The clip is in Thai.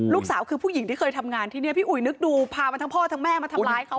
ลูกสาวคือผู้หญิงที่เคยทำงานที่นี่พี่อุ๋ยนึกดูพามันทั้งพ่อทั้งแม่มาทำร้ายเขา